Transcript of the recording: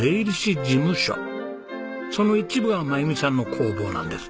その一部が真由美さんの工房なんです。